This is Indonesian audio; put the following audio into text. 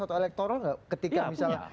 atau elektoral nggak ketika misalnya